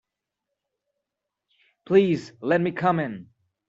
Please let me come in.